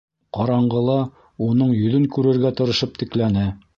Ҡараңғыла уның йөҙөн күрергә тырышып текләне.